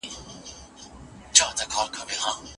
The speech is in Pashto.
وئيل يې چې دا شپه او تنهايۍ کله يو کيږي